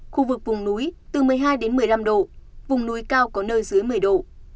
khu vực vùng núi từ một mươi hai đến một mươi năm độ vùng núi cao có nơi dưới một mươi độ